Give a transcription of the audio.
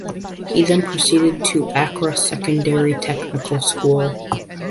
He then proceeded to Accra Secondary Technical School.